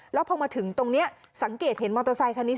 แล้วพอมาถึงตรงนี้สังเกตเห็นมอเตอร์ไซคันนี้